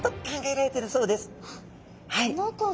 はい。